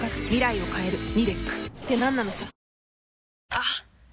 あっ！